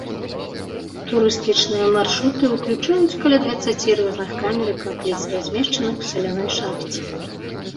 Турыстычныя маршруты ўключаюць каля дваццаці розных камер і капліц, размешчаных у саляной шахце.